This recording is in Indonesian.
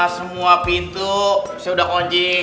semua pintu sudah kunci